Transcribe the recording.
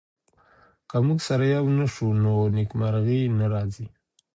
که موږ سره يو نه سو نو نېکمرغي نه راځي.